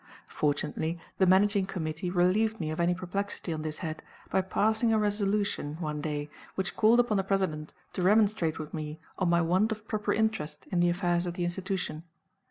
Fortunately, the Managing Committee relieved me of any perplexity on this head, by passing a resolution, one day, which called upon the President to remonstrate with me on my want of proper interest in the affairs of the Institution.